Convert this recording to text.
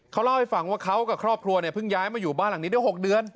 เขาเล่าให้ฟังว่าเขากับครอบครัวเนี่ยเพิ่งย้ายมาอยู่บ้านหลังนี้ได้๖เดือน